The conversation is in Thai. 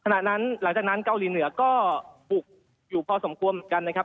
หลังจากนั้นเกาหลีเหนือก็บุกอยู่พอสมควรเหมือนกันนะครับ